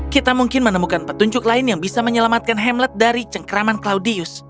kita mungkin menemukan petunjuk lain yang bisa menyelamatkan hamlet dari cengkraman claudius